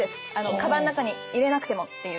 かばんの中に入れなくてもっていう。